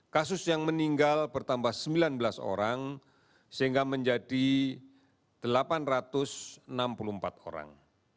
kasus yang meninggal bertambah sembilan belas orang sehingga menjadi delapan ratus enam puluh empat orang